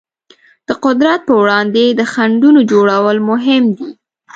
د قدرت پر وړاندې د خنډونو جوړول مهم دي.